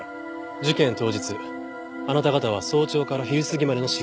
事件当日あなた方は早朝から昼過ぎまでのシフトだった。